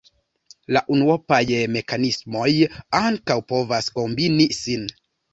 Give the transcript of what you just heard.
La unuopaj mekanismoj ankaŭ povas kombini sin.